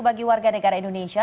bagi warga negara indonesia